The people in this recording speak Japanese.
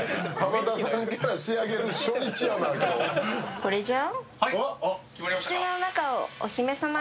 これじゃん？